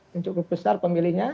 yang cukup besar pemilihnya